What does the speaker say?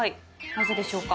なぜでしょうか？